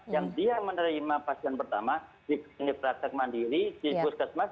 yang dia menerima pasien pertama di praktek mandiri di puskesmas